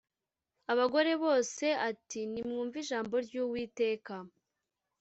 abagore bose ati nimwumve ijambo ry uwiteka